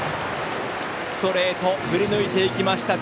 ストレートを振り抜いていきました。